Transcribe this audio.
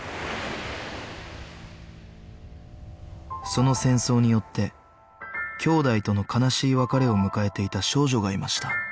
その戦争によってきょうだいとの悲しい別れを迎えていた少女がいました